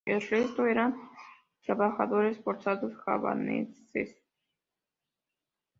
El resto eran trabajadores forzados javaneses.